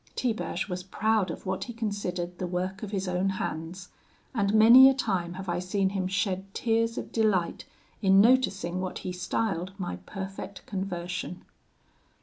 Tiberge was proud of what he considered the work of his own hands, and many a time have I seen him shed tears of delight in noticing what he styled my perfect conversion.